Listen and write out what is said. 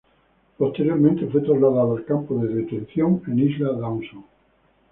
Posteriormente fue trasladado al campo de detención en Isla Dawson.